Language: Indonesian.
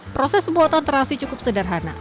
proses pembuatan terasi cukup sederhana